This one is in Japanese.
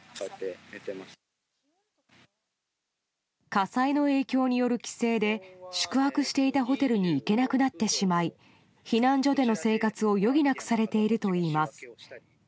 火災の影響による規制で宿泊していたホテルに行けなくなってしまい避難所での生活を余儀なくされているといいます。